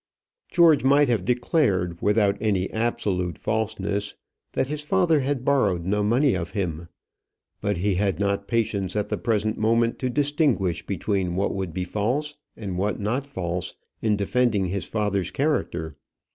George might have declared, without any absolute falseness, that his father had borrowed no money of him. But he had not patience at the present moment to distinguish between what would be false and what not false in defending his father's character.